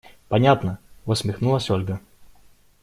Понятно! – усмехнулась Ольга.